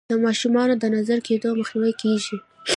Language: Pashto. د ماشومانو د نظر کیدو مخنیوی کیږي.